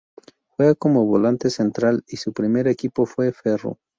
Juega como volante central y su primer equipo fue Ferro.